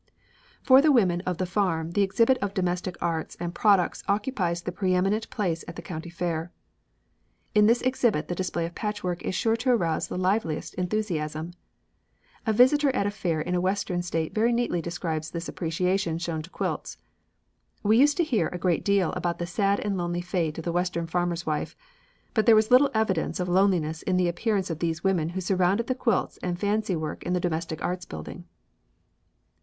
For the women of the farm the exhibit of domestic arts and products occupies the preëminent place at the county fair. In this exhibit the display of patchwork is sure to arouse the liveliest enthusiasm. A visitor at a fair in a western state very neatly describes this appreciation shown to quilts: "We used to hear a great deal about the sad and lonely fate of the western farmer's wife, but there was little evidence of loneliness in the appearance of these women who surrounded the quilts and fancywork in the Domestic Arts Building."